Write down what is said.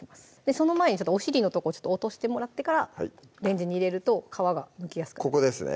その前にお尻のとこ落としてもらってからレンジに入れると皮がむきやすくここですね？